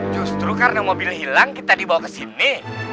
justru karena mobil hilang kita dibawa ke sini